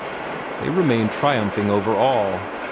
They remained triumphing over all.